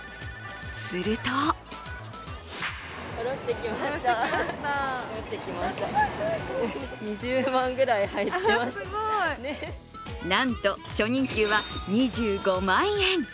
するとなんと初任給は２５万円。